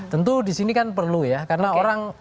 tentu di sini kan perlu ya karena orang